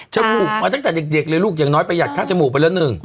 มูกมาตั้งแต่เด็กเลยลูกอย่างน้อยประหยัดข้างจมูกไปแล้วหนึ่ง